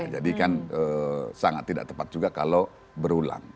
jadi kan sangat tidak tepat juga kalau berulang